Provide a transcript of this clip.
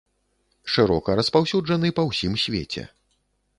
Шырока распаўсюджаны па ўсім свеце.